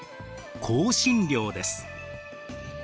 香辛料です。